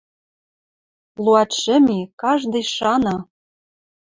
«Луатшӹм и, — каждый шана, —